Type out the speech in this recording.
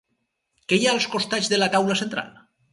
Què hi ha als costats de la taula central?